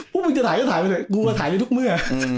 พวกมึงจะถ่ายก็ถ่ายไปเลยกูมาถ่ายได้ทุกเมื่อ